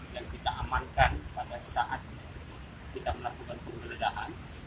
dan kita amankan pada saat kita melakukan penggeledahan